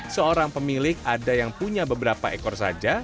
seorang pemilik ada yang punya beberapa ekor saja